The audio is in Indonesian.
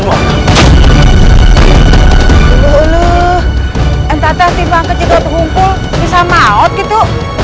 lalu entah entah timbang kecil atau hukum pul bisa maut gitu